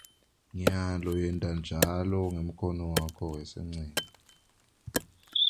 Nyalo yenta njalo ngemkhono wakho wesancele.